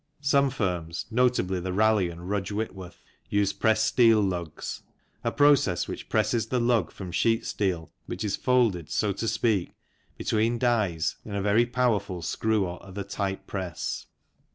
Some firms, notably the Raleigh and Rudge Whit worth, use pressed steel lugs, a process which presses the lug from sheet steel, which is folded, so to speak, between dies in a very powerful screw, or other type press.